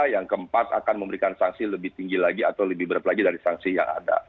yang keempat akan memberikan sanksi lebih tinggi lagi atau lebih berat lagi dari sanksi yang ada